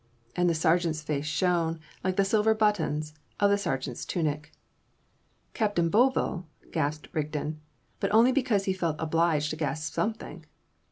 And the sergeant's face shone like the silver buttons of the sergeant's tunic. "Captain Bovill!" gasped Rigden, but only because he felt obliged to gasp something.